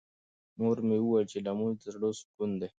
مور مې وویل چې لمونځ د زړه سکون دی.